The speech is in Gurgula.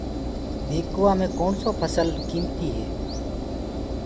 ٻيڪوآ مي ڪوڻسو ڦسل قيمتي هي۔